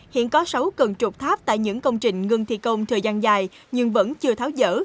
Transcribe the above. hiện có sáu cân trục tháp tại những công trình ngưng thi công thời gian dài nhưng vẫn chưa tháo dở